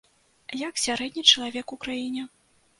Як сярэдні чалавек у краіне.